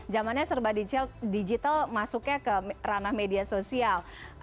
zamannya serba digital masuknya ke ranah media sosial